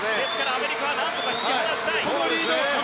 アメリカはなんとか引き離したい。